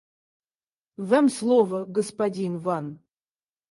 Вам слово, господин Ван.